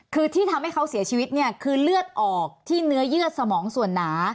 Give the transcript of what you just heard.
คือที่ทำให้เขาเสียชีวิตเนี่ยคือเลือดออกที่เนื้อเยื่อสมองส่วนหนา